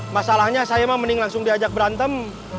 masalahnya saya emang mending langsung diajak berantem